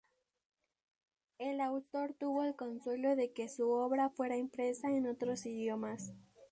El autor tuvo el consuelo de que su obra fuera impresa en otros idiomas.